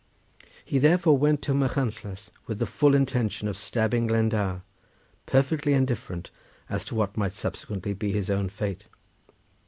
He therefore went to Machynlleth with the full intention of stabbing Glendower, perfectly indifferent as to what might subsequently be his own fate.